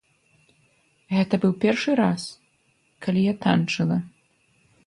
Гэта быў першы раз, калі я танчыла.